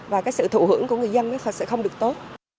và cái sự thụ hưởng của người dân sẽ không được tốt